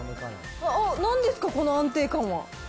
なんですか、この安定感は。